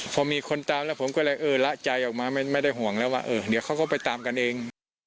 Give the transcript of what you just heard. พอมีคนตามแล้วผมก็เลยเออละใจออกมาไม่ได้ห่วงแล้วว่าเออเดี๋ยวเขาก็ไปตามกันเอง